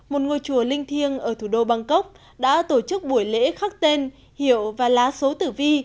một ngôi chùa linh thiêng ở thủ đô bangkok đã tổ chức buổi lễ khắc tên hiệu và lá số tử vi